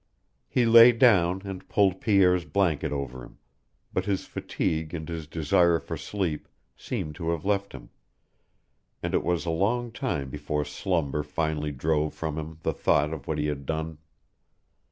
He lay down and pulled Pierre's blanket over him, but his fatigue and his desire for sleep seemed to have left him, and it was a long time before slumber finally drove from him the thought of what he had done.